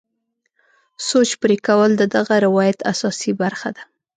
سوچ پرې کول د دغه روایت اساسي برخه ده.